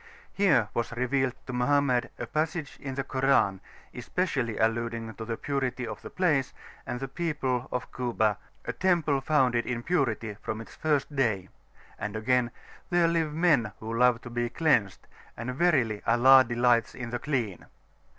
Here was revealed to Mohammed a passage in the Koran especially alluding to the purity of the place and of the people of Kuba, "a Temple founded in Purity from its first Day;" and again: "there live Men who love to be [p.411]cleansed, and verily Allah delights in the Clean."